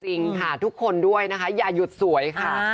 จริงค่ะทุกคนด้วยนะคะอย่าหยุดสวยค่ะ